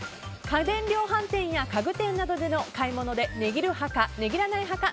家電量販店や家具店などでの買い物で値切る派か値切らない派か